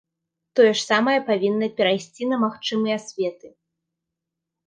Тое ж самае павінна перайсці на магчымыя светы.